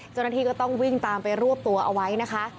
เจ้าหน้าที่ก็ต้องวิ่งตามไปรวบตัวเอาไว้นะคะ